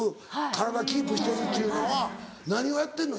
体キープしてるっちゅうのは何をやってるの？